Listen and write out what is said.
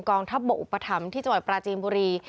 ทัพบกอุปถัมภ์ที่จังหวัดปราจีนบุรี